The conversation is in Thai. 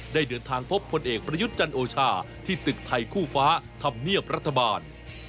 ได้เดินทางพบพลเอกประยุทธ์จันโอชาที่ตึกไทยคู่ฟ้าธรรมเนียบรัฐบาล